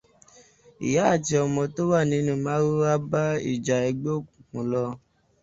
Ìyá àti ọmọ tó wà nínú Márúwá bá ìjà ẹgbẹ́ òkùnkùn lọ